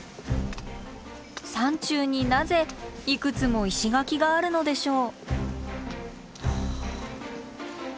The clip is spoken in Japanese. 山中になぜいくつも石垣があるのでしょう？